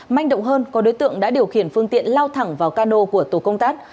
manh động hơn có đối tượng đã điều khiển phương tiện lao thẳng vào cano của tổ công tác